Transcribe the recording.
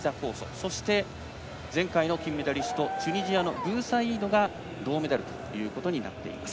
そして、前回の金メダリストチュニジアのブーサイードが銅メダルということになっています。